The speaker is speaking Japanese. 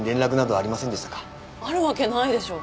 あるわけないでしょう。